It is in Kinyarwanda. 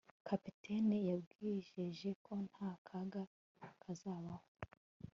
Kapiteni yatwijeje ko nta kaga kazabaho